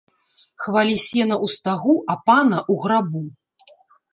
Хвалі сена ў стагу, а пана ў грабу